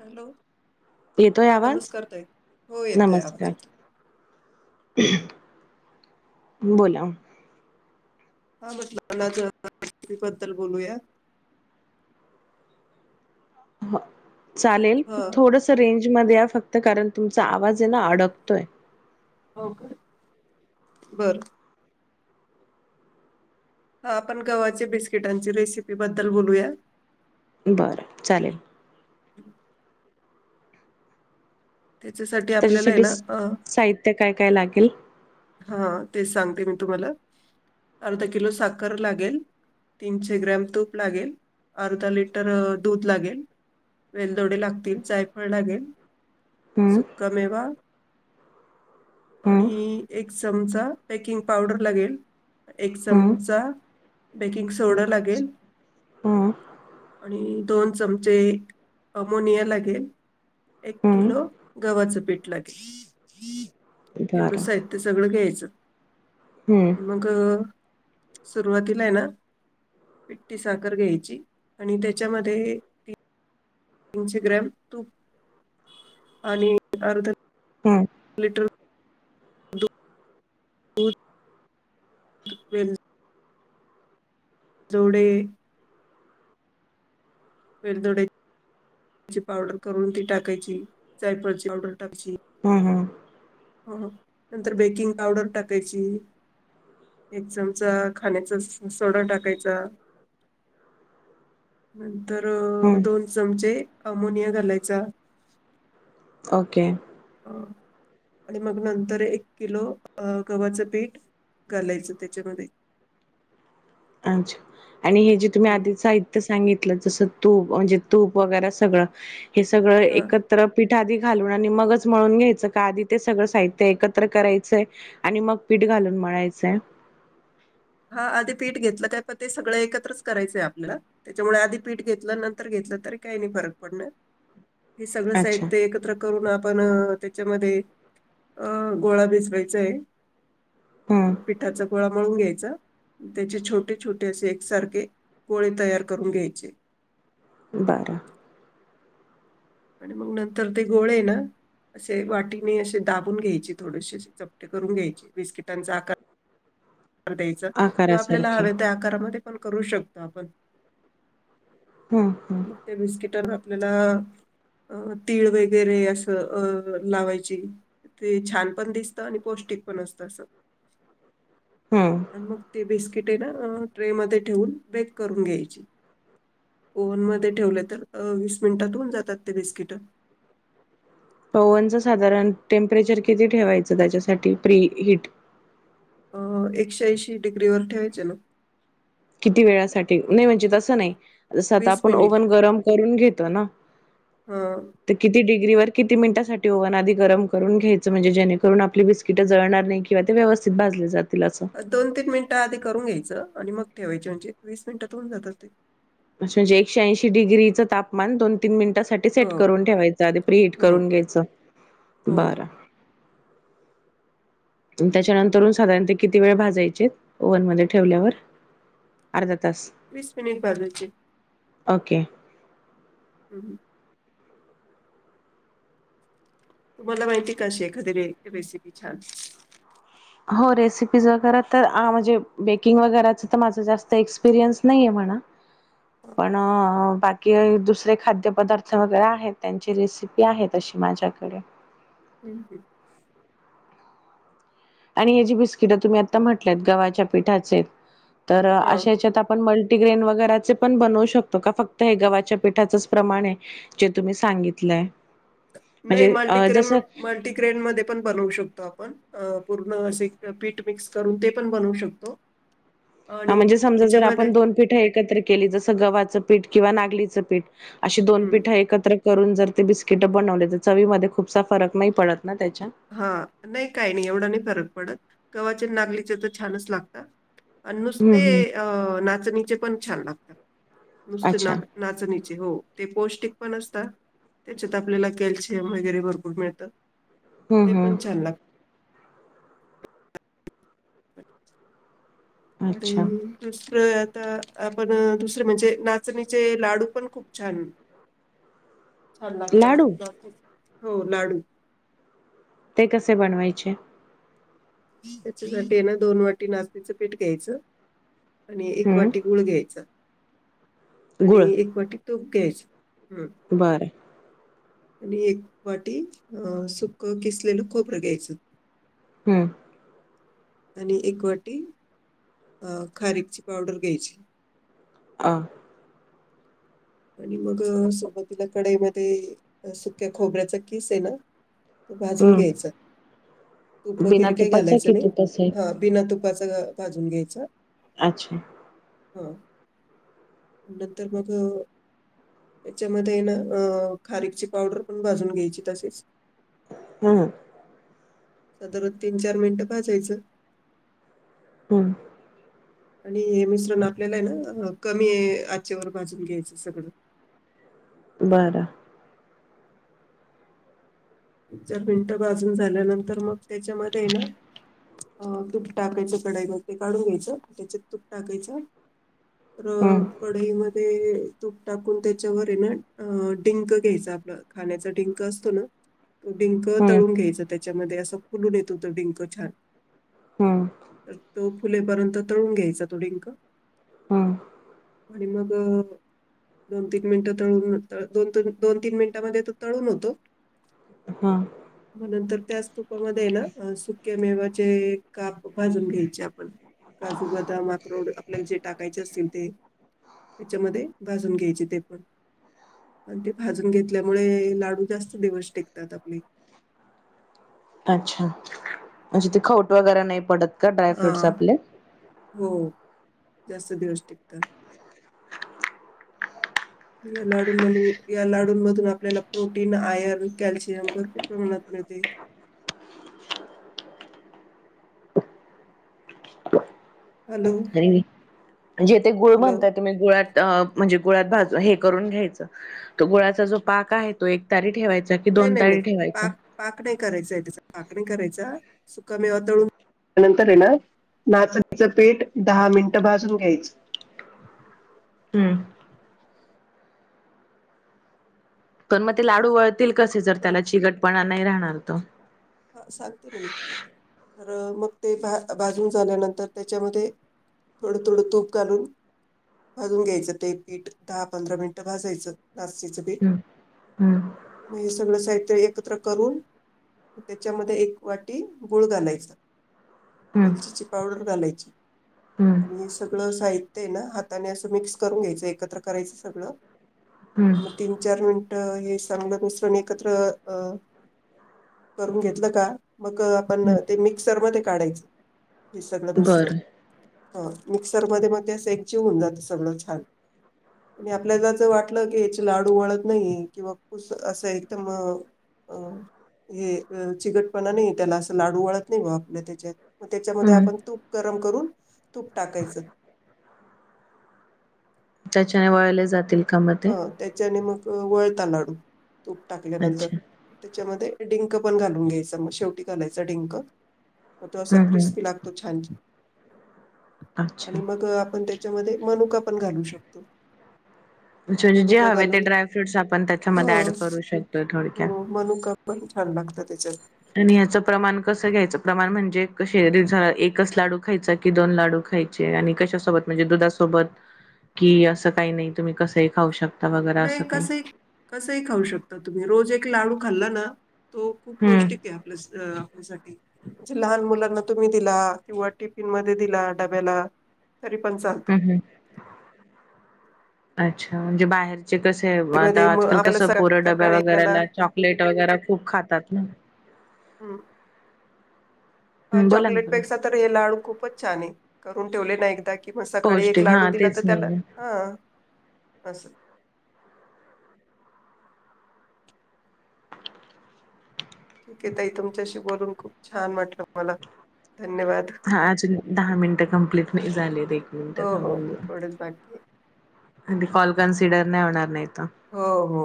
Hello! येतोय हा आवाज? नमस्कार ताई हो येतोय आवाज नमस्कार येतो. [unintelligible] बोला. [unintelligible] हा म्हटलंला ज बद्दल बोलूया. [unintelligible] चालेल हा थोडस रेंज मध्ये या फक्त कारण तुमचा आवाज आहे ना अडकतोय. हो का बरं हा आपण गव्हाची बिस्किटांची रेसिपी बद्दल बोलूया. बरं चालेल. त्याच्यासाठी आपल्याला आय त्याच्यासाठी ना अ साहित्य काय काय लागेल? हा ते सांगते मी तुम्हाला अर्धा किलो साखर लागेल. तीनशे ग्रॅम तूप लागेल. अर्धा लिटर दूध अ लागेल. वेलदोडे लागतील जायफळ लागेल हम्म सुक्कामेवा हम्म आणि एक चमचा बेकिंग पावडर लागेल. एक हम्म चमचा बेकिंग सोडा लागेल. हम्म आणि दोन चमचे अमोनिया लागेल. एक हम्म किलो गव्हाचं पीठ लागेल. एवढं बरं साहित्य सगळं घ्यायचं. हूं मग सुरुवातीला हाय ना पिट्टी साखर घ्यायची आणि त्याच्यामध्ये तीनशे ग्रॅम तूप आणि अर्धा हूं लिटर दुध [unintelligible] वेल दोडे वेलदोडे ची पावडर करून ती टाकायची जायफळची पावडर टाकची. हूं हूं हं हं नंतर बेकिंग पावडर टाकायची. एक चमचा खाण्याचा स स सोडा टाकायचा. नंतर हम्म दोन चमचे अमोनिया घालायचा. ओके. अ आणि मग नंतर एक किलो अ गव्हाचं पीठ घालायचं त्याच्यामध्ये अच्छा आणि हे जे तुम्ही हम्म आधी साहि त्य सांगितलं जस तूप म्हणजे तूप वगैरां सगळं हे सगळं हा एकत त्र पीठ आधी घालून आणि मगच मळून घ्यायचं का आधी ते सगळं साहित्य एकत्र करायचंय. आणि मग पीठ घालून मळायचय. हा आधी पीठ घेतलं काय म ते सगळं एकत्रच करायचंय आपल्याला त्याच्यामुळे आधी पीठ घेतलं नंतर घेतलं तरी काही नाही फरक पडणार. हे सगळं अच्छा. साहित्य एकत्र करून आपण अ त्याच्यामध्ये अ गोळा भिजवायचाय. हं. पिठाचा गोळा मळून घ्यायचा. त्याचे छोटे छोटे असे एकसारखे गोळे तयार करून घ्यायचे. बरं आणि मग नंतर ते गोळे ये ना असे वाटीने असे दाबून घ्यायचे थोडेशी अशे चपटे करून घ्यायचे बिस्किटांचा आकार कार द्यायचा किंवा आपल्याला आकारासारखे. हवे त्या आकारामध्ये पण करू शकतो आपण हम्म हम्म त्या बिस्किटनं आपल्याला अ तीळ वगैरे असं अ लावायची. ते छान पण दिसतं आणि पौष्टिक पण असतं असं. हम्म. आणि मग ते बिस्किटे ना ट्रे मध्ये ठेवून बेक करून घ्यायची. ओव्हन मध्ये ठेवले तर वीस मिनिटात होऊन जातात ते बिस्किट. ओहनच साधारण टेम्परेचर किती ठेवायचं त्याच्यासाठी प्री हीट? अ एकशे ऐंशी डिग्री वर ठेवायचे ना. किती वेळासाठी? नाही म्हणजे तसं नाही जस आता वीस आपण मिनिट ओव्हन गरम करून घेतो ना. हा [inaudible] ते किती डिग्री वर किती मिनिटसाठी ओहन आधी गरम करून घ्यायचं म्हणजे जेणेकरून आपली बिसक तिटं जळणार नाही किंवा ते व्यवस्थित भाजले जातील असं. दोन-तीन मिनिटं आधी करून घ्यायचं आणि मग ठेवायचे म्हजे वीस मिनिटात होऊन जातात. म्हणजे एकशे ऐंशी डिग्रीचं तापमान दोन-तीन मिनिटासाठी हो सेट करून ठेवायच आधी प्रि हिट हो करून घ्यायचं हो बरं. आणि त्याच्यानंतर साधारण ते किती वेळ भाजायचे ओव्हन मध्ये ठेवल्यावर. अर्धा तास. वीस मिनिट भाजायचे. [inaudible] ओके. तुम्हाला माहिती का अशी एखादी रेसिपी छान. हो रेसिपीज वगैरे तर म्हणजे बेकिंग वगैरेच तर माझं जास्त एक्सपिरियन्स नाही आहे म्हणा. [inaudible] पण बाकी कि दुसरे खाद्यपदार्थ वगैरे आहेत त्यांची रेसिपी आहेत तशी माझ्याकडे. हम् हम. आणि हेजी बिस्किट तुम्ही आता म्हटल्यात गव्हाच्या पिठाचे, तर हां. अशा याच्यात पण मल्टीग्रेन वगैरेचे पण बनवू शकतो का फक्त हे गव्हाच्या पीठाचंच प्रमाण आहे? जे तुम्ही सांगितलंय. नाही म्हणजे अ, मल्टीक्रेन, जसं मल्टीग्रेन मध्ये पण बनवू शकतो. आपण पूर्ण असे पीठ मिक्स करून ते पण बनवू शकतो. हा आणि म्हणजे समजा जर त्याच्यामध्ये आपण दोन पीठ एकत्र केली जसं गव्हाचं पीठ किंवा नागलीचं पीठ अशी दोन हं. पीठं एकत्र करून जर ते बिस्किट बनवले तर चवी मध्ये खूपसा फरक नाही पडत ना त्याच्या? हा नाही काही नाही एवढा नाही फरक पडत गव्हाच्या नागलीच तर छानच लागत. आणि हं, नुसते हं. अ नाचणीचे पण छान लागतात नुसते अच्छा. ना नाचणीचे हो ते पौष्टिक पण असतात. त्याच्यात आपल्याला कॅल्शियम वगैरे भरपूर मिळतं हं, ते हं. पण छान लागत. अच्छा. हम्म. दुसरं आता आपण दुसरे म्हणजे नाचणीचे लाडू पण खूप छान [inaudible] छान लाडू? लागत, [unintelligible] हो लाडू. ते कसे बनवायचे? त्याच्यासाठी आहे ना दोन वाटी नास्तेचं पीठ घ्यायचं आणि एक हं. वाटी गूळ घ्यायचा, गूळ. आणि एक वाटी तूप घ्यायच, हा. बरं. आणि एक वाटी अ सुक घिसलेलं खोबर घ्यायचं. हम्म. आणि एक वाटी अ खरीची पावडर घ्यायची. आ. आणि मग सोबत तिला कडईमध्ये सुक्या खोबऱ्याचा किस आहे ना. भाजून हं. घ्यायच तूप बिना वगैरे काही तुपाचा घालायचं कि नाही, तुपाचा आहे? हा. बिना तुपाच भाजून घ्यायच. अच्छा! हा, नंतर मग त्याच्यामध्ये ना अ खारीची पावडर पण भाजून घ्यायची तसेच. हम्. नंतर मग तीन-चार मिनिटं भाजयचं. हम्. आणि हे मिश्रण आपल्याला आहे ना कमी आच्यावर भाजून घ्यायचं सगळं. बर. तीन चार मिनिटं भाजून झाला न मग त्याच्यामध्ये ना हा तूप टाकायचं कढाई मध्ये काढून घ्यायचं त्याच्यात तूप टाकायचं. हा. हम्म कढाईमध्ये तूप टाकून त्याच्यावर आहे ना अ डिंक घ्यायचं आपलं. खाण्याचा डिंक असतो ना. तो डिंक हम्म तळून घ्यायचा त्याच्यामध्ये असं फुलून येतो तो डिंक छान. हा‌ तो फुलेपर्यंत तळून घ्यायचा तो डिंक. हा. आणि मग दोन तीन मिनिटं तळून, दोन, दोन-तीन मिनिटांमध्ये तो तळून होतो. हा. मग नंतर त्याच तुपामध्ये ना सुक्के मेवाचे काप भाजून घ्यायचे आपण काजू, बदाम, आक्रोठ आपल्याला जे टाकायचे असतील ते त्याच्यामध्ये भाजून घ्यायचे ते पण. आणि ते भाजून घेतल्यामुळे लाडू जास्त दिवस टिकतात आपले. अच्छा असे ते खौट वगैरे नाही पडत का ड्राय हा फ्रूटस आपले. हो, जास्त दिवस टिकतात. या लाडू मधून, या लाडू मधून आपल्याला प्रोटीन, आयर्न, कॅल्शियम भरपूर प्रमाणात मिळतेय. हॅलो आणि, जे ते गुळ हॅलो म्हणत्यात तुम्ही गुळात, अ म्हणजे गुळात भाज हे करून घ्यायचं. तो गुळाचा जो पाक आहे, तो एक तारी ठेवायचा. कि नाही दोन नाही नाही, तारी ठेवायचा? पाक, पाक नाही करायचा आहे, त्याचा पाक नाही करायचा, सुका मेवा तळून नंतर ये ना, नाचणीचं पीठ दहा मिनटं भाजून घ्यायचं. हम्म, पण मग ते लाडू वळतील कसे, ते जर पण त्याला चिकटपणा नाही राहणार तर? ह सांगते ना मी, तर मग ते बाजून झाल्यानंतर त्याच्यामध्ये थोडं थोडं तूप करून भाजून घ्यायचं ते पीठ, दहा-पंधरा मिनिटं भाजायचं नाचणीच. हम् हम्. मग हे सगळं साहित्य एकत्र करून त्याच्यामध्ये एक वाटी गुळ घालायचा, हम्म वेलचीची पावडर घालायची. हम्म आणि सगळं साहि त्य ना हाताने असं मिक्स करून घ्यायचं एकत्र करायचं सगळं न मग तीन चार मिनिटं हे संगलं मिसरन एकत्र अ करून घेतलं का मग आपण हम्म ते मिक्सरमध्ये काढायचं हे सगळं मिश्रण. बरं ह मिक्सरमध्ये मग ते असं एकजीव होऊन जातं सगळं छान. आणि आपल्याला ज वाटलं, की याचे लाडू वळत नाहीये किंवा कुस असं एकदम. अ! हे अ चिगटपणा नाही त्याला असं लाडू वळत नाही व आपल्या त्याच्यात मग त्याच्यामध्ये हम्म आपण तूप गरम करून तूप टाकायचं. ज्याच्याने वळले जातील. का मग ते? हं त्याच्याने मग वळता लाडू तूप टाकल्यानंतर. अच्छा त्याच्यामध्ये डिंक पण घालून घ्यायच म शेवटी घालायचा डिंक म तो असा हम्म हम्म क्रिस्पी लागत तो छान अच्छा अच्छा, आणि मग आपण त्याच्यामध्ये मनुका पण घालू शकतो. जे-जे मनुका हवे ते घालून ड्रायफ्रूट्स आपण हो त्याच्यामध्ये ऍड करू शकतो थोडक्यात. हो मनुका पण छान लागतं त्याच्यात. आणि ह्याचं प्रमाण कसं घ्यायचं प्रमाण म्हणजे कशें रिझ एकच लाडू खायचा की दोन लाडू खाय चे आणि कशासोबत म्हणजे दुधासोबत कि असं काही नाही तुम्ही कसही खाऊ शक नाही कसही कसही खाऊ शकता तुम्ही, रोज एक लाडू खाल्ला ना तो खूप हम्म पौष्टिक. ते आपल्या स आपल्यासाठी. जे लहान मुलांना तुम्ही दिला किंवा टिफिन मध्ये दिला डब्याला तरी पन चाल. हूं हूं अच्छा म्हणजे बाहेर. चे कसे मध्ये आता मग आजकाल आपल्याला कसं सका- पोरं डब्या सकाळी आपल्याला वगैरेला चॉकलेट वगैरे खूप खातात ना. [inaudible] हूं! अं हं, बोला ना चॉकलेट बोला पेक्षा तर हे लाडू खूपच छान हे करून ठेवले ना एकदा. किं मं सकाळी एक पौष्टिक लाडू हा दिला तेच त त्याला ना हा असं. ठिकये ताई तुमच्याशी बोलून खूप छान वाटलं मला धन्यवाद. हा अजून दहा मिनिटं कंप्लीट नाही झालेत एक मिनटं थांबुन घ्या. बाकीय. म्हदे कॉल कन्सिडर नाही होणार नाही त. हो हो!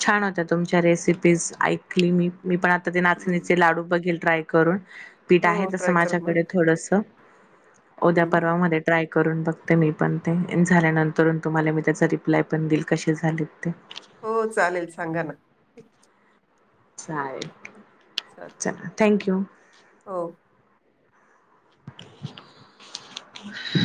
छान होत्या तुमच्या रेसिपीज ऐकली मी मी पण आता ते हम्म. नाचणीचे लाडू बघेल ट्राय करून पीठ आहे हो तस ट्राय करून माझ्याकडे बघा थोडसं ऊद्या हम्म पर्वामध्ये ट्राय करून बघते मी पण ते अन झाल्यानंतरून तुम्हाला मी त्याचा रिप्लाय पण देईल कसे झालेत ते हो चालेल सांगा ना चालेल. चाल. चला थँक्यू. हो! [inaudible]